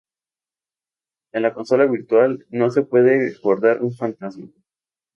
En la Consola Virtual, no se puede guardar un fantasma.